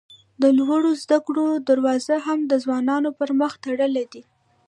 د لوړو زده کړو دروازې هم د ځوانانو پر مخ تړلي دي.